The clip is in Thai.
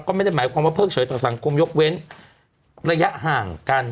ก็ไม่ได้หมายความว่าเพิ่งเฉยต่อสังคมยกเว้นระยะห่างกัน